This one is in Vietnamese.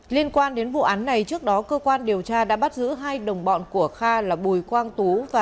liên quan đến vụ án này trước đó cơ quan điều tra đã bắt giữ hai đồng bọn của kha là bùi quang tú